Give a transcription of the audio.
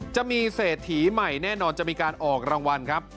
จะมีเศรษฐีใหม่แน่นอนจะมีการออกรางวัลครับ